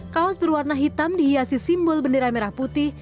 kaos berwarna hitam dihiasi simbol bendera merah putih